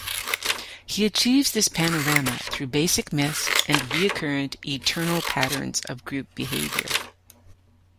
He achieves this panorama through basic myths and recurrent, eternal patterns of group behavior.